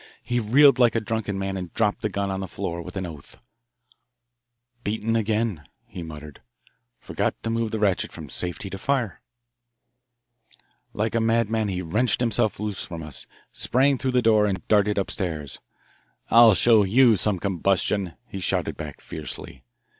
He reeled like a drunken man and dropped the gun on the floor with an oath. "Beaten again," he muttered. "Forgot to move the ratchet from 'safety' to 'fire.'" Like a madman he wrenched himself loose from us, sprang through the door, and darted upstairs. "I'll show you some combustion!" he shouted back fiercely.